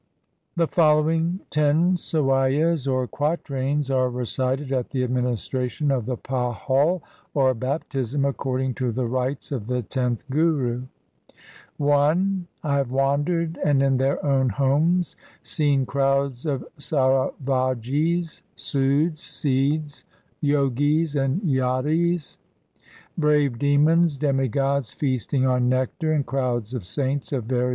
The following ten Sawaiyas, or quatrains, are recited at the administration of the pahul or baptism according to the rites of the tenth Guru :— I I have wandered and in their own homes seen crowds of Saravagis, Sudhs 2 , Sidhs, Jogis, and Jatis, Brave demons, demigods feasting on nectar, and crowds of saints of various sects.